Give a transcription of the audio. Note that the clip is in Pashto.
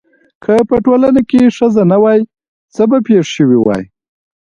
که په ټولنه کې ښځه نه وای څه به پېښ شوي واي؟